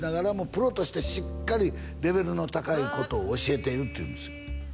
「プロとしてしっかり」「レベルの高いことを教えている」って言うんですよ